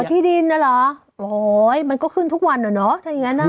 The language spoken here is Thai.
ที่ดินน่ะเหรอโอ้ยมันก็ขึ้นทุกวันอ่ะเนอะถ้าอย่างงั้นอ่ะ